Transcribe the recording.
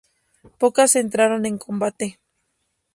Pocas entraron en combate.